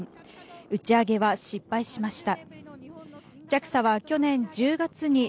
打ち上げは失敗しました。